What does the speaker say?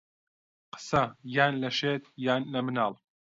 قسە یان لە شێت یان لە مناڵ